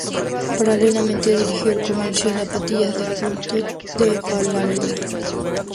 Paralelamente dirigió el comercial "Zapatillas de culto" de Falabella.